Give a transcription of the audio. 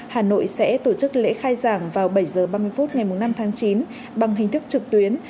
hà nội sẽ tổ chức lễ khai giảng vào bảy h ba mươi phút ngày năm tháng chín bằng hình thức trực tuyến